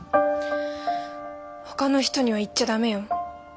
ほかの人には言っちゃ駄目よ。